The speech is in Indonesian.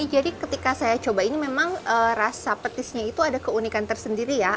jadi ketika saya coba ini memang rasa petisnya itu ada keunikan tersendiri ya